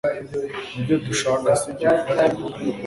nibyo dushaka, sibyo